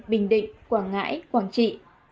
bình định quảng ngãi quảng trị